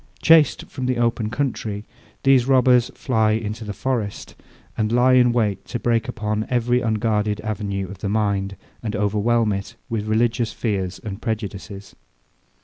Chaced from the open country, these robbers fly into the forest, and lie in wait to break in upon every unguarded avenue of the mind, and overwhelm it with religious fears and prejudices.